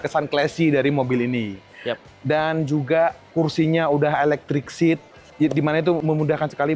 kesan klasi dari mobil ini dan juga kursinya udah electric seat ya dimana itu memudahkan sekali